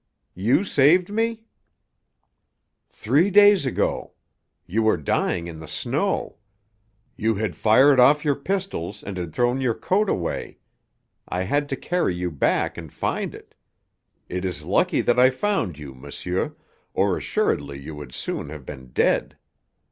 "You saved me?" "Three days ago. You were dying in the snow. You had fired off your pistols and had thrown your coat away. I had to carry you back and find it. It is lucky that I found you, monsieur, or assuredly you would soon have been dead.